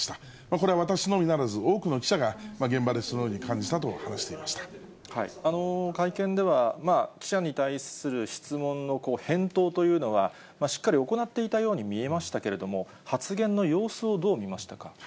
これは私のみならず、多くの記者が現場でそのように感じたと話し会見では、記者に対する質問の返答というのは、しっかり行っていたように見えましたけれども、発言の様子をどう見ましたか？